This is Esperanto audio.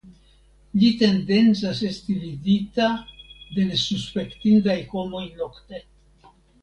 Ĝi tendencas esti vidita de nesuspektindaj homoj nokte.